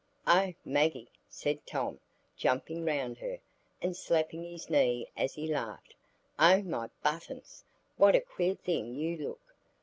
"Oh, Maggie," said Tom, jumping round her, and slapping his knees as he laughed, "Oh, my buttons! what a queer thing you look!